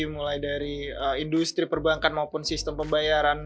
mulai dari industri perbankan maupun sistem pembayaran